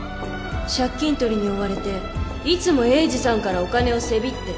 借金とりに追われていつも栄治さんからお金をせびって